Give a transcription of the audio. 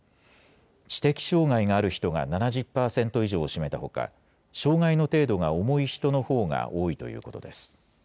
知的障害がある人が７０％以上を占めたほか、障害の程度が重い人のほうが多いということです。